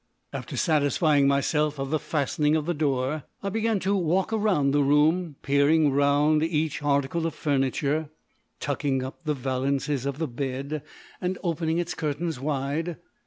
After satisfying myself of the fastening of the door, I began to walk about the room, peering round each article of furniture, tucking up the valances of the bed, and opening its curtains wide.